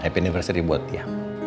happy anniversary buat dia